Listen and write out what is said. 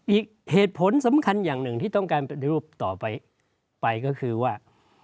อีกเหตุผลสำคัญอย่างหนึ่งที่ต้องการปฏิรูปต่อไปไปก็คือว่า